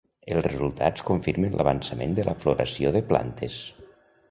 Els resultats confirmen l'avançament de la floració de plantes.